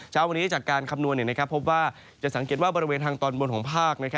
เช้าวันนี้จากการคำนวณพบว่าจะสังเกตว่าบริเวณทางตอนบนของภาค